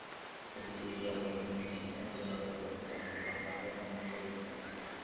FBCCI বলেছে, হরতালের মতো নেতিবাচক রাজনৈতিক কর্মকাণ্ডে আইনশৃঙ্খলা পরিস্থিতির অবনতি হয়।